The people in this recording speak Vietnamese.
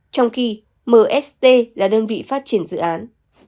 trong khi mst là đơn vị phát triển dự án